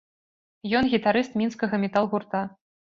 Ён гітарыст мінскага метал-гурта.